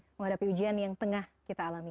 menghadapi ujian yang tengah kita alami